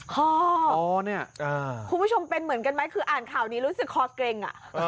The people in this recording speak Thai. คอเนี่ยคุณผู้ชมเป็นเหมือนกันไหมคืออ่านข่าวนี้รู้สึกคอเกร็งอ่ะ